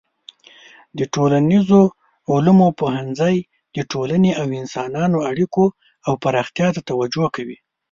د ټولنیزو علومو پوهنځی د ټولنې او انسانانو اړیکو او پراختیا ته توجه کوي.